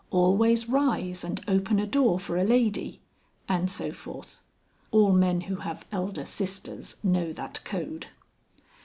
"Always rise and open a door for a lady...." and so forth. (All men who have elder sisters know that code.)